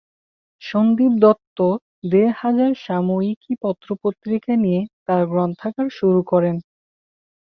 সন্দীপ দত্ত দেড় হাজার সাময়িকী পত্র-পত্রিকা নিয়ে তাঁর গ্রন্থাগার শুরু করেন।